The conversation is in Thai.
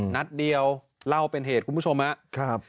นัดเดียวเล่าเป็นเหตุคุณผู้ชมครับ